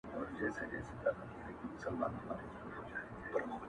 دا سپوږمۍ وينې’